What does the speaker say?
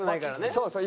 そうそう。